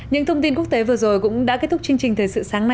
những thông tin quốc tế vừa rồi cũng đã kết thúc chương trình thời sự sáng nay